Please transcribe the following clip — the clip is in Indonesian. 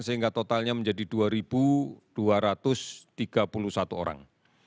sehingga totalnya menjadi dua dua ratus tiga puluh satu orang